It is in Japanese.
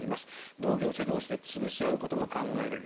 同業者同士で潰し合うことも考えられる。